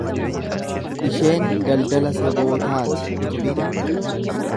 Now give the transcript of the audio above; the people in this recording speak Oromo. Isheen daldala sabootaa ti turte.